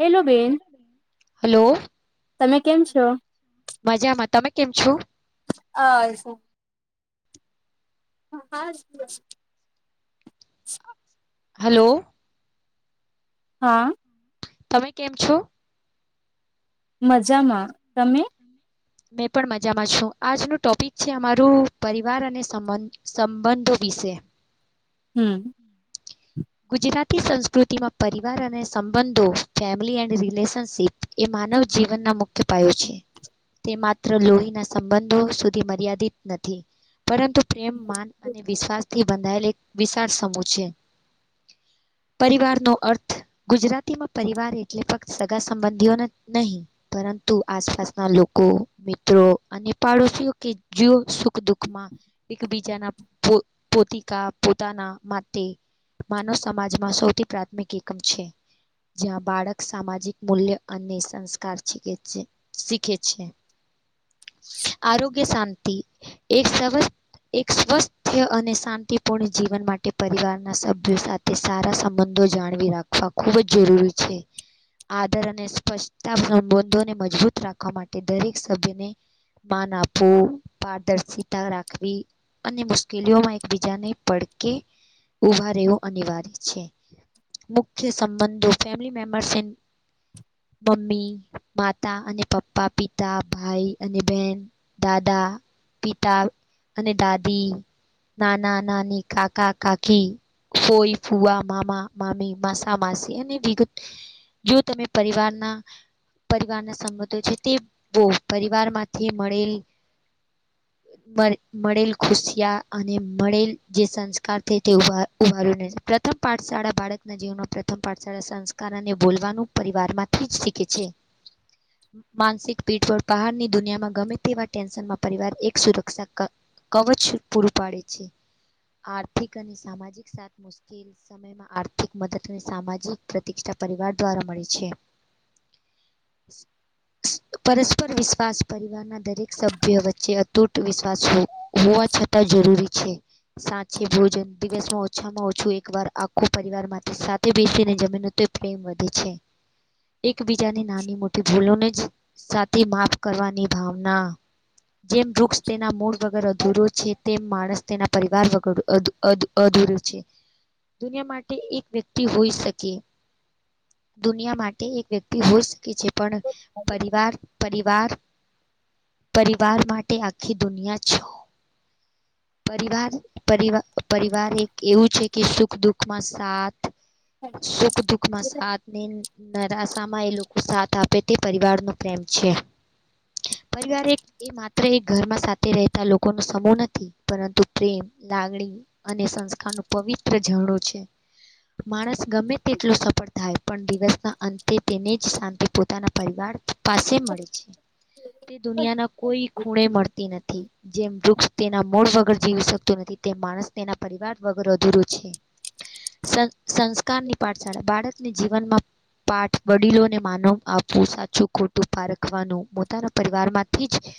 Hello બેન hello તમે કેમ છો? મજામાં તમે કેમ છો. અ શું હા હલો હા તમે કેમ છો. મજામાં તમે. મેં પણ મજામાં છું આજનું ટોપિક છે અમારું પરિવાર અને સંબંધ સંબંધો વિશે. હમ ગુજરાતી સંસ્કૃતિમાં પરિવાર અને સંબંધો ફેમિલી એન્ડ રિલેશનશિપ એ માનવ જીવનના મુખ્ય પાયો છે. તે માત્ર લોહીના સંબંધો સુધી મર્યાદિત નથી પરંતુ પ્રેમ માન અને વિશ્વાસ થી બંધાયેલ એક વિશાળ સમૂહ છે. પરિવાર નો અર્થ ગુજરાતીમાં પરિવાર એટલે ફક્ત સગા સંબંધીઓને નહીં. પરંતુ આસપાસના લોકો મિત્રો. અને પાડોશીઓ કે જુઓ સુખ દુઃખમાં એકબીજાના પો પોતિકા પોતાના માટે. માનવ સમાજમાં સૌથી પ્રાથમિક એકમ છે. જ્યાં બાળક સામાજિક મૂલ્ય અને સંસ્કાર શીખે છે. શીખે છે આરોગ્ય શાંતિ. એક એક સ્વસ્થ અને શાંતિપૂર્ણ જીવન માટે પરિવારના સભ ભ્યો સાથે સારા સંબંધો જાળવી રાખવા ખૂબ જ જરૂરી છે. આદર અને સ્પષ્ટતા સંબંધોને મજબૂત રાખવા માટે દરેક સભ્યને માન આપવું પારદર્શિતા રાખવી. અને મુશ્કેલીઓમાં એકબીજાને પડકે ઉભા રહવો. અનિવાર્ય છે મુખ્ય સંબંધો ફેમિલી મેમ્બર્સ એન મમ્મી માતા અને પપ્પા પિતા ભાઈ અને બેન દાદા પિતા અને દાદી નાના નાની કાકા કાકી ફોઈ ફુવા મામા મામી માસા માસી અને વિગ જો તમે પરિવારના પરિવારના સંબંધો છે તે બ પરિવાર માંથી મળેલ મળ મળેલ ખુશિયા અને મળેલ જે સંસ્કાર છે તે ઉભા ઉભા્યું પ્રથમ પાઠશાળા બાળકના જીવનમાં પ્રથમ પાઠશાળા સંસ્કાર અને બોલવાનું પરિવારમાં થી જ શીખે છે. માનસિક પીઠ પરળ પહડની દુનિયામાં ગમે તેવા ટેન્શનમાં પરિવાર એક સુરક્ષા કવચ પૂરું પાડે છે આર્થિક અને સામાજિક સાત મુશ્કેલ સમયમાં આર્થિક મદદ અને સામાજિક પ્રતિષ્ઠા પરિવાર દ્વારા મળે છે. પરસ્પર વિશ્વાસ પરિવારના દરેક સભ્ય વચ્ચે અતૂટ વિશ્વાસ હોવા છતાં જરૂરી છે. સાચ છે ભોજન દિવસમાં ઓછામાં ઓછું એક વાર આખો પરિવાર માટે સાથે બેસીને જમને તો પ્રેમ વધે છે. એકબીજાની નાની મોટી ભૂલોને જ સાથે માફ કરવાની ભાવના જેમ વૃક્ષ તેના મૂળ વગર અધૂરો છે તેમ માણસ તેના પરીવાર વગર અધ અધ અધ અધુરુ છે દુનિયા માટે એક વ્યક્તિ હોય શકે દુનિયા માટે એક વ્યક્તિ હોય શકે છે પણ પરિવાર પરિવાર પરિવાર માટે આખી દુનિયા છો પરિવાર પરિવા પરિવાર એક એવું છે કે સુખ દુઃખમાં સાથ સુખ દુઃખમાં સાથ ને નરાશામાં એ લોકો સાથ આપે તે પરિવાર નો પ્રેમ છે પરીવાર એક એ માત્ર એ ઘરમાં સાથે રહેતા લોકો ન સમૂહ નથી પરંતુ પ્રેમ લાગણી અને સંસ્કાર નું પવિત્ર ઝરડો છે માણસ ગમે તેટલો સફળ થાય પણ દિવસના અંતે તેને જ શાંતિ પોતાના પરિવાર પાસે મળે છે તે દુનિયાના કોઈ ખૂણે મળતી નથી જેમ વૃક્ષ તેના મૂળ વગર જીવી શકતો નથી તેમ માણસ તેના પરિવાર વગર અધૂરું છે સંસ્ન સંસ્કારની પાઠશાળા બાળકને જીવનમાં પાઠ વડીલોને માનવ આપવું સાચું ખોટું પારખવાનું પોતાના પરિવારમાંથી જ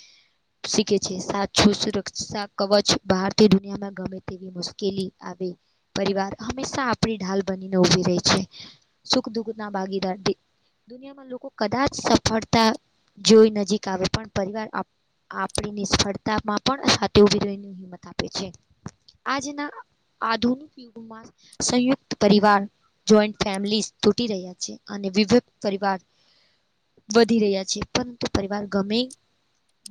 શીખે છે સાચું સુરક્ષા કવચ બહારથી દુનિયામાં ગમે તેવી મુશ્કેલી આવી પરિવાર હંમેશા આપણી ઢાલ બનીને ઉભી રહી છે સુખ દુખ ના ભાગીદાર ભી દુનિયામાં લોકો કદાચ સફળતા જોઈ નજીક આવે પણ પરિવાર આપણી નિષ્ફળતામાં પણ હિંમત આપે છે આજના આધુનિક યુગમાં સંયુક્ત પરિવાર જોઈન્ટ ફેમિલી તૂટી રહ્યા છે અને વિક પરિવાર વધી રહ્યા છે પરંતુ પરિવાર ગમે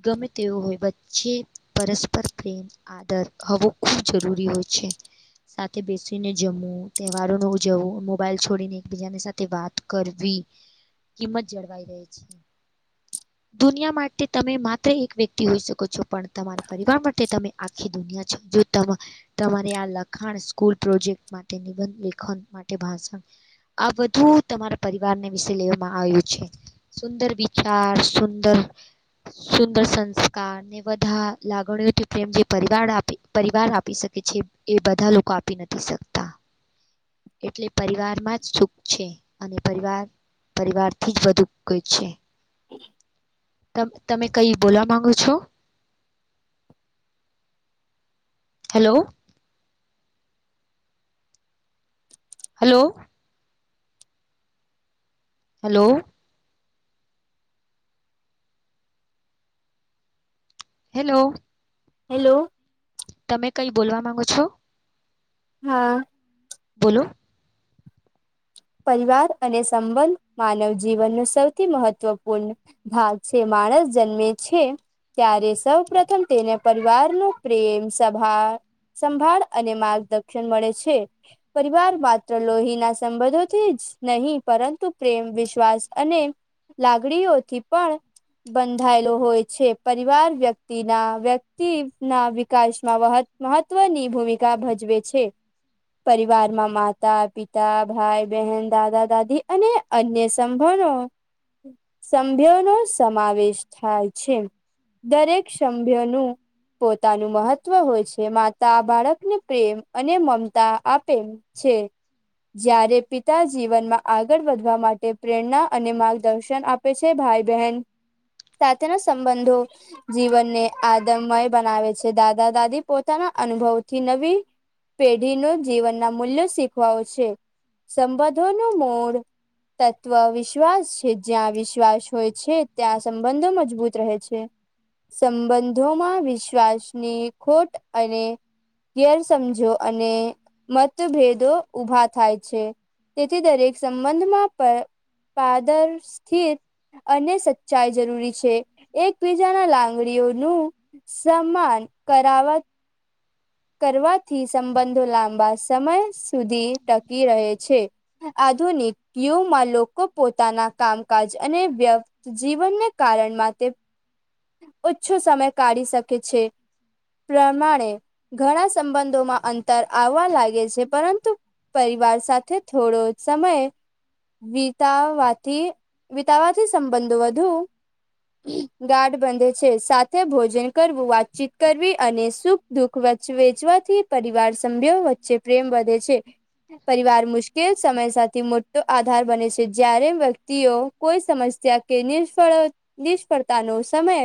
ગમે તેવું હોય વચ્ચે પરસ્પર પ્રેમ આદર હોવો ખૂબ જરૂરી હોય છે સાથે બેસીને જમવું તહેવારોને ઉજવું મોબાઈલ છોડીને એકબીજાની સાથે વાત કરવી કિંમત જળવાઈ રહી છે દુનિયા માટે તમે માત્ર એક વ્યક્તિ હોઈ શકો છો પણ તમારા પરિવાર માટે તમે આખી દુનિયા છો તમ આ લખાણ સ્કૂલ પ્રોજેક્ટ માટે નિબંધ લેખન માટે ભાષણ આ બધુ તમારા પરિવારને વિશે લેવામાં આવ્યું છે સુંદર વિચાર સુંદર સુંદર સંસ્કાર ને બધા લાગણીઓથી પ્રેમ જે પરિવાર આપી પરિવાર આપી શકે છે એ બધા લોકો આપી નથી શકતા એટલે પરિવાર માં જ સુખ છે અને પરિવાર પરિવારથી જ બધું કોઈ છે [inaudible] ત તમે કઈ બોલવા માંગો છો. Hello. Hello. Hello. Hello. Hello. તમે કઈ બોલવા માંગો છો. હા. બોલો. પરિવાર અને સંબંધ માનવ જીવનનો સૌથી મહત્વપૂર્ણ. ભાગ છે માણસ જન્મે છે. ત્યારે સૌ પ્રથમ તેને પરિવારનુ પ્રેમ સભા સંભાળ અને માર્ગદર્શન મળે છે પરિવાર માત્ર લોહીના સંબંધો જ નહીં પરંતુ પ્રેમ, વિશ્વાસ અને લાગણીઓથી પણ બંધાયેલો હોય છે પરિવાર વ્યક્તિના વ્યક્તિ ના વિકાસમાં વ મહત્વની ભૂમિકા ભજવે છે પરિવારમાં માતા, પિતા, ભાઈ બહેન, દાદા, દાદી અને અન્ય સંભણો સભ્યો નો સમાવેશ થાય છે દરેક સભ્યોનુ. પોતાનું મહત્વ હોય છે માતા બાળકને પ્રેમ અને મમતા આપે છે જ્યારે પીત પિતા જીવનમાં આગળ વધવા માટે પ્રેરણા અને માર્ગદર્શન આપે છે ભાઈ બહેન સાથેના સંબંધો જીવનને આદમમય બનાવે છે દાદા-દાદી પોતાના અનુભવથી નવી પેઢીનુ જીવનના મૂલ્યો શીખવો છે. સંબંધો નું મૂળ તત્વ વિશ્વાસ છે જ્યાં વિશ્વાસ હોય છે ત્યાં સંબંધો મજબૂત રહે છે. સંબંધોમાં વિશ્વાસની ખોટ અને ગેર સમજો અને મતભેદો ઉઊભા થાય છે. તેથી દરેક સંબંધમાં પાદરશથિત અને સચ્ચાઈ જરૂરી છે એકબીજાના લાંગડીઓનું સમાન કરાવવા કરવાથી સંબંધો લાંબા સમય સુધી ટકી રહે છે આધુનિક યુમાં લોકો પોતાના કામકાજ અને વ્ય જીવનને કારણમાં તે ઓછો સમય કાઢી શકે છે પ્રમાણે. ઘણા સંબંધોમાં અંતર આવવા લાગે છે પરંતુ. પરિવાર સાથે થોડો જ સમય વિતાવાથી વિતાવાથી સંબંધો વધુ ગાડ બંધે છે સાથે ભોજન કરવું વાતચીત કરવી અને સુખ દુઃખ વચ વેચવાથી પરિવાર સભ્યો વચ્ચે પ્રેમ વધે છે. પરિવાર મુશ્કેલ સમય સાથે મોટો આધાર બને છે જ્યારે વ્યક્તિઓ કોઈ સમસ્યા કે નિષ્ફળ નિષ્ફળતાનો સમય.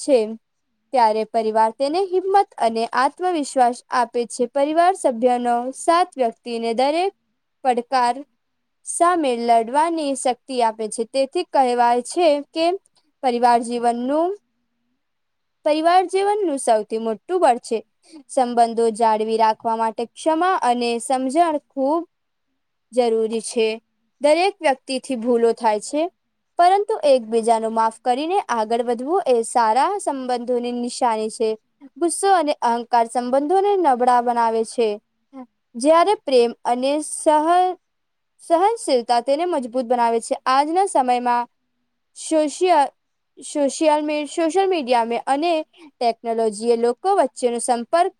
છે ત્યારે પરિવાર તેને હિંમત અને આત્મવિશ્વાસ આપે છે પરિવાર સભ્યનો સાત વ્યક્તિને દરેક પડકાર. સામે લડવાની શક્તિ આપે છે તેથી કહેવાય છે કે પરિવાર જીવનનું પરિવાર જીવનનું સૌથી મોટું બડ છે. સંબંધો જાળવી રાખવા માટે ક્ષમા અને સમજણ ખૂબ જરૂરી છે. દરેક વ્યક્તિથી ભૂલો થાય છે. પરંતુ એકબીજા નુ માફ કરીને આગળ વધવું એ સારા સંબંધોની નિશાઈ છે. ગુસ્સો અને અહંકાર સંબંધોને નબળા બનાવે છે. જ્યારે પ્રેમ અને સહ સહનશીલતા તેને મજબૂત બનાવે છે. આજના સમયમાં શોશય સોશિયલ મિ સોશિયલ મીડિયા મે અને ટેકનોલોજી જે લોકો વચ્ચે નો સંપર્ક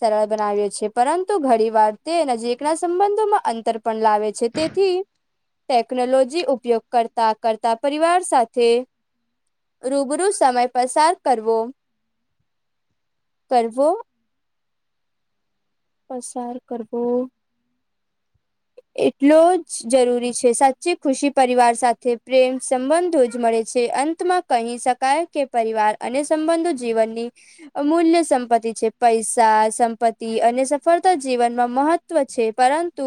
સરળ બનાવ્યો છે, પરંતુ ઘણી વાર તે નજીકના સંબંધોમાં અંતર પણ લાવે છે. તે થી ટેકનોલોજી ઉપયોગ કરતા કરતા પરિવાર સાથે રૂબરૂ સમય પસાર કરવો. કરવો. પસાર કરવો. એટલો જ જરૂરી છે. સાચી ખુશી પરિવાર સાથે પ્રેમ સંબંધો જ મળે છે. અં તમાં કહી શકાય કે પરિવાર અને સંબંધો જીવનની અમૂલ્ય સંપત્તિ છે. પઈસા, સંપત્તિ અને સફળતા જીવનમાં મહ ત્વ છે, પરંતુ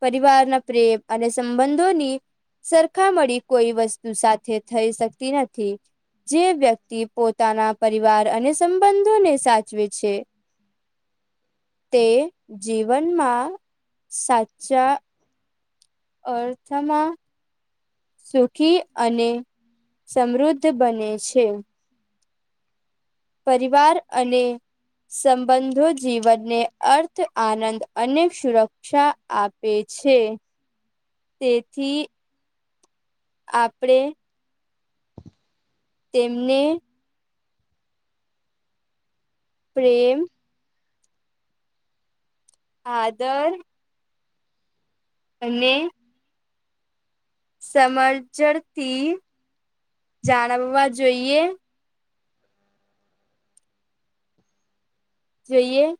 પરિવારના પ્રેમ અને સંબંધોની સરખામળી કોઈ વસ્તુ સાથે થઈ શકતી નથી. જે વ્યક્તિ પોતાના પરિવાર અને સંબંધોને સાચવે છે. તે જીવનમાં સાચા અર્થમાં સુખી અને સમૃદ્ધ બને છે. પરિવાર અને સંબંધો જીવનને અર્થ, આનંદ અને સુરક ક્ષા આપે છે, તેથી આપડે તેમને પ્રેમ આદર અને સમરજડતી જાળવવા જોઈએ. જોઈએ.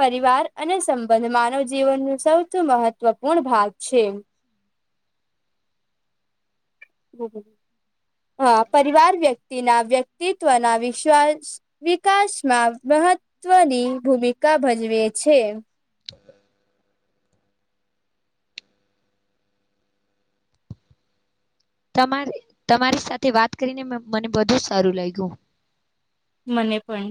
પરિવાર અને સંબંધ માનવ જીવન નુ સૌથી મહત્વપૂર્ણ ભાગ છે. હ, પરિવાર વ્યક્તિ ના વ્યક્તિત્વ ના વિશ્વાસ વિકાસમાં મહત્વની ભૂમિકા ભજવે છે. તો તમારે તમારી સાથે વાત કરીને મ મને બધુ સારું લાયગુ. મને પન.